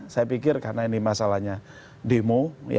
saya pikir karena ini masalahnya demo